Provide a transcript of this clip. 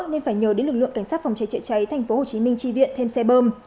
nên phải nhờ đến lực lượng cảnh sát phòng cháy chữa cháy tp hcm tri viện thêm xe bơm